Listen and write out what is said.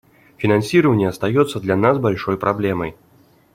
Финансирование остается для нас большой проблемой.